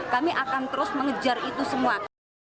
kami akan terus mengejar itu semua